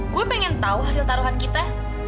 gue pengen tahu hasil taruhan kita